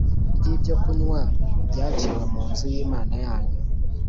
Ry ibyokunywa byaciwe mu nzu y imana yanyu